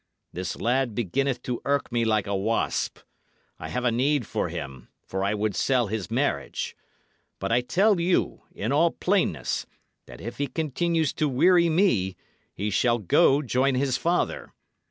This lad beginneth to irk me like a wasp. I have a need for him, for I would sell his marriage. But I tell you, in all plainness, if that he continue to weary me, he shall go join his father.